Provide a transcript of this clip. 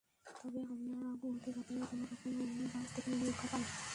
তবে হামলার আগমুহূর্তে যাত্রীরা কোনো রকমে বাস থেকে নেমে রক্ষা পান।